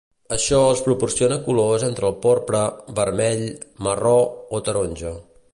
Això els proporciona colors entre el porpra, vermell, marró o taronja.